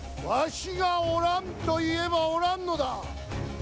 わしがおらんと言えばおらんのだ。